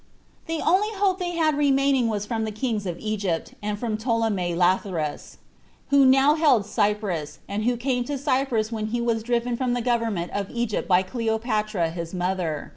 The only hope they had remaining was from the kings of Egypt, and from Ptolemy Lathyrus, who now held Cyprus, and who came to Cyprus when he was driven from the government of Egypt by Cleopatra his mother.